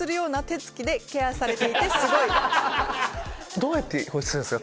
どうやって保湿するんですか？